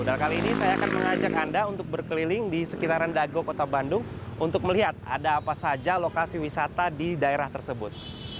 dan kali ini saya akan mengajak anda untuk berkeliling di sekitaran dago kota bandung untuk melihat ada apa saja lokasi wisata di daerah tersebut